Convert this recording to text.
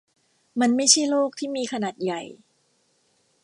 มันไม่ใช่โลกที่มีขนาดใหญ่.